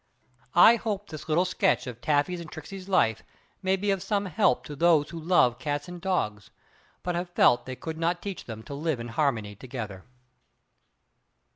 I hope this little sketch of Taffy's and Tricksey's life may be of some help to those who love cats and dogs, but have felt they could not teach them to live in harmony together.